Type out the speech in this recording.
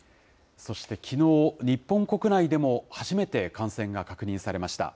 そして、きのう、日本国内でも初めて感染が確認されました。